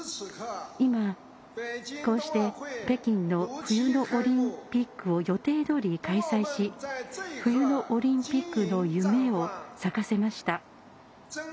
今、こうして北京の冬のオリンピックを予定どおり開催し冬のオリンピックの夢を咲かせました。